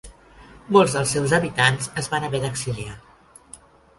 Molts dels seus habitants es van haver d'exiliar.